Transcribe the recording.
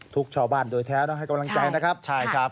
ทุกข์ชาวบ้านโดยแท้นะให้กำลังใจนะครับ